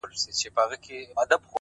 علم د انسان هویت روښانه کوي،